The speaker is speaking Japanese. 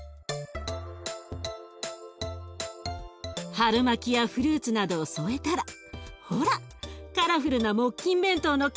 ハルマキやフルーツなどを添えたらほらカラフルな木琴弁当の完成です。